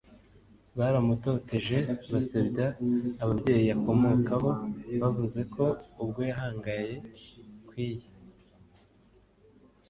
baramutoteje basebya ababyeyi akomokaho bavuze ko ubwo yahangaye kwiyi